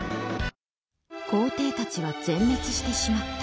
皇帝たちは全滅してしまった。